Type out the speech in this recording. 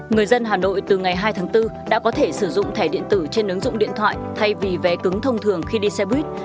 người dân hà nội từ ngày hai tháng bốn đã có thể sử dụng thẻ điện tử trên ứng dụng điện thoại thay vì vé cứng thông thường khi đi xe buýt